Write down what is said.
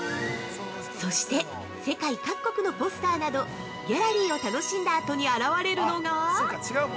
◆そして世界各国のポスターなどギャラリーを楽しんだあとに現れるのが◆